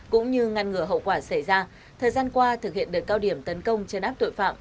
cũng như ngăn ngừa hậu quả xảy ra thời gian qua thực hiện đợt cao điểm tấn công chấn áp tội phạm